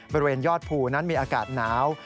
บริเวณยอดภูนั้นมีอากาศหนาว